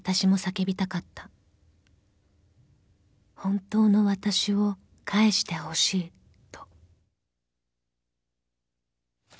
［本当のわたしを返してほしいと］